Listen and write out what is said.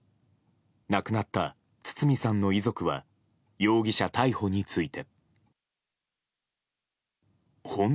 亡くなった堤さんの遺族は容疑者逮捕について。